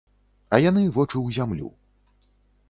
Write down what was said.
А яны вочы ў зямлю.